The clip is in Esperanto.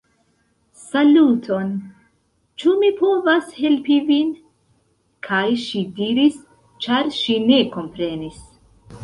"Saluton? Ĉu mi povas helpi vin?" kaj ŝi diris, ĉar ŝi ne komprenis: